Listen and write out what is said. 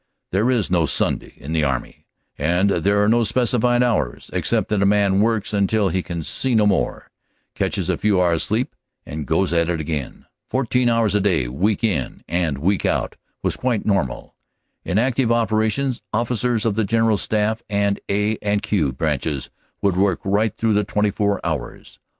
There is no Sunday in the army; and there are no specified hours, except that a man works until he can see no more, catches a few hours sleep, and goes at it again; fourteen hours a day week in and week out was quite normal ; in active operations officers of the General Staff and "A" and "Q" branches would work right through the 24 hours.